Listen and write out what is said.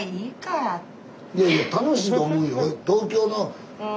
いやいや楽しいと思うよ。